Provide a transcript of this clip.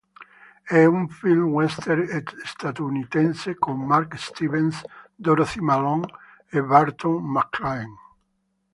È un film western statunitense con Mark Stevens, Dorothy Malone e Barton MacLane.